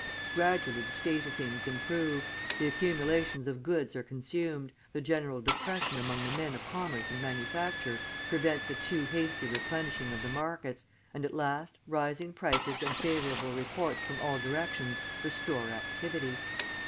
Gradually the state of things improve; the accumulations of goods are consumed, the general depression among the men of commerce and manufacture prevents a too hasty replenishing of the markets, and at last rising prices and favourable reports from all directions restore activity.